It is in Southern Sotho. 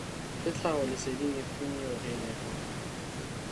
Ke tlhahisoleseding efe eo re e nehwang?